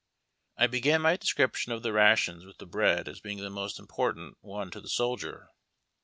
I began my description of the rations with the bread as being the most important one to the soldier.